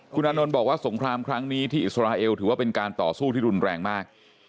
คุณอานนท์บอกว่าสงครามครั้งนี้ที่อิสราเอลถือว่าเป็นการต่อสู้ที่รุนแรงมาก